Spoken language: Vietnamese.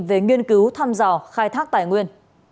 về nghiên cứu thăm dò khai thác tài nguyên